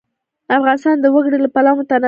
افغانستان د وګړي له پلوه متنوع دی.